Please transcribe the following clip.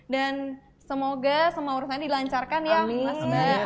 dan semoga semua urusan dilancarkan ya mas mbak